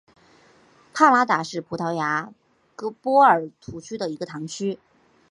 帕拉达是葡萄牙波尔图区的一个堂区。